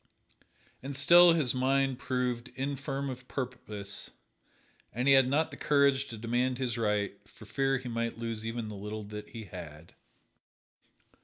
And still his mind proved infirm of purpose, and he had not the courage to demand his right, for fear he might lose even the little that he had.